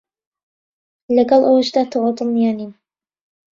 لەگەڵ ئەوەشدا تەواو دڵنیا نیم